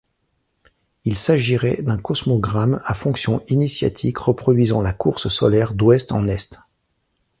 Il s'agirait d'un cosmogramme à fonction initiatique reproduisant la course solaire d’ouest en est.